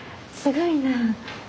すごいなあ。